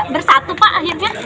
bersatu pak akhirnya